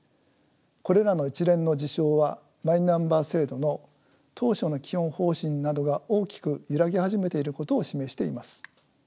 これらの一連の事象はマイナンバー制度の当初の基本方針などが大きく揺らぎ始めていることを示しています。